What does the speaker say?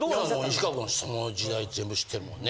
西川君はその時代全部知ってるもんね。